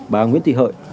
bà nguyễn thị hợi